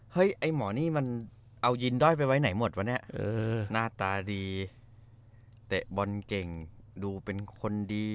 ไอ้หมอนี่มันเอายินด้อยไปไว้ไหนหมดวะเนี่ยหน้าตาดีเตะบอลเก่งดูเป็นคนดี